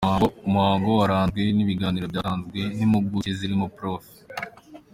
Umuhango waranzwe n’ibiganiro byatanzwe n’impuguke zirimo Prof.